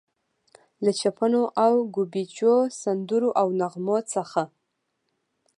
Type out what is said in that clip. له چپنو او ګوبیچو، سندرو او نغمو څخه.